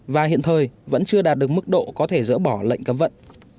và hiện thời vẫn chưa đạt được mức độ có thể dỡ bỏ lệnh cấm vận